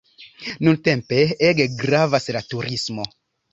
Nuntempe ege gravas la turismo.